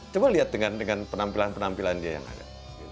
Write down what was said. coba lihat dengan penampilan penampilan dia yang ada